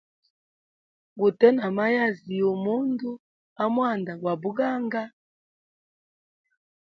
Gute na mayazi yugu mundu amwanda gwa buganga.